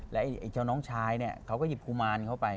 และเจ้าน้องชายเขาก็หยิบกุมารเข้าไป